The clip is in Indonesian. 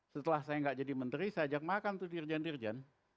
setelah saya nggak jadi menteri saya ajak makan tuh dirjen dirjen